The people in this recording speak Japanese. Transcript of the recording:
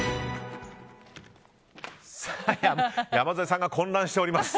山添さんが混乱しております。